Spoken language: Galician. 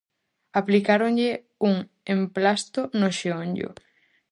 Aplicáronlle un emplasto no xeonllo.